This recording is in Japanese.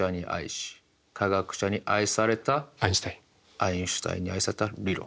アインシュタインに愛された理論。